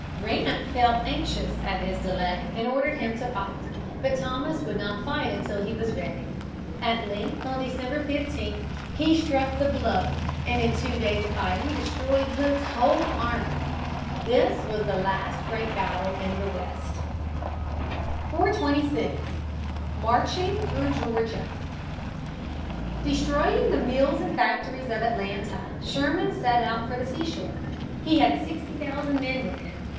Grant felt anxious at his delay and ordered him to fight. But Thomas would not fight until he was ready. At length, on December 15, he struck the blow, and in two days of fighting destroyed Hood's whole army. This was the last great battle in the West. [Sidenote: The March to the Sea, 1864.] [Sidenote: Fall of Savannah, December, 1864.] 426. Marching through Georgia. Destroying the mills and factories of Atlanta, Sherman set out for the seashore. He had sixty thousand men with him.